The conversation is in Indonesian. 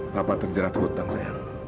papa terjerat hutang sayang